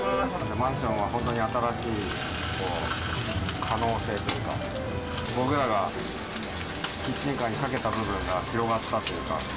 マンションは本当に新しい可能性というか、僕らがキッチンカーにかけた部分が広がったというか。